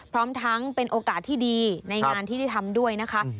พร้อมทั้งเป็นโอกาสที่ดีในงานที่ได้ทำด้วยนะคะ